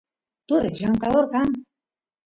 turay llamkador kan